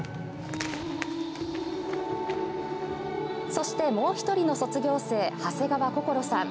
そしてもう一人の卒業生長谷川こころさん。